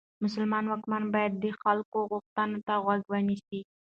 مسلمان واکمن باید د خلکو غوښتنو ته غوږ ونیسي.